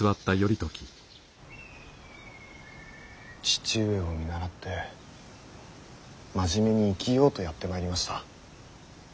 父上を見習って真面目に生きようとやってまいりました。